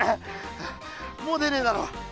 もう出ねえだろ。